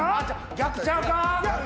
逆ちゃうか？